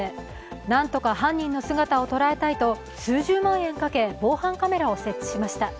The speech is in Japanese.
なんとか犯人の姿を捉えたいと数十万円かけ、防犯カメラを設置しました。